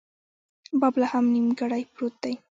باب لا هم نیمګړۍ پروت دی.